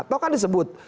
atau kan disebut